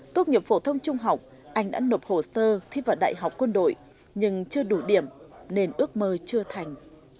tốt nghiệp phổ thông trung học anh đã nộp hồ sơ thi vào đại học quân đội nhưng chưa đủ điểm nên ước mơ chưa thành